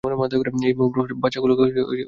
এই মমির বাচ্চাগুলোকে ঘৃণা করি আমি!